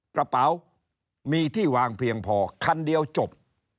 กระเป๋ามีที่วางเพียงพอคันเดียวจบ